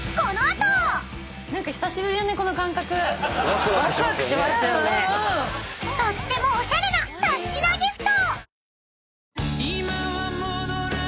［とってもおしゃれなサスティなギフト！］